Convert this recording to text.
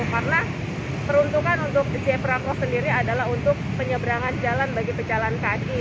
karena peruntukan untuk zebra cross sendiri adalah untuk penyeberangan jalan bagi pejalan kaki